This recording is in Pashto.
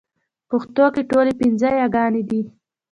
پښتو کې ټولې پنځه يېګانې دي